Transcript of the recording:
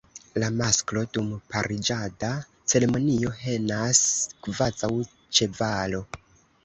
La masklo dum pariĝada ceremonio henas kvazaŭ ĉevalo.